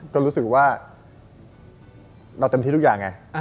ก็รู้สึกว่าเราเต็มที่ทุกอย่างไง